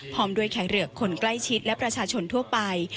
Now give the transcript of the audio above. พร้อมด้วยแขกเหลือกคนใกล้ชิดและประชาชนทั่วไป